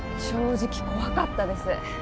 正直怖かったです